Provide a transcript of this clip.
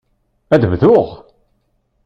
Ad bduɣ?